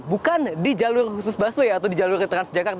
bukan di jalur khusus busway atau di jalur transjakarta